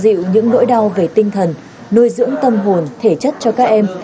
giúp đỡ những nỗi đau về tinh thần nuôi dưỡng tâm hồn thể chất cho các em